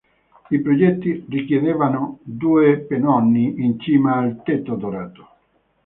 I progetti richiedevano due pennoni in cima al tetto dorato.